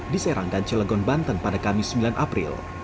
diserangkan cilegon banten pada kamis sembilan april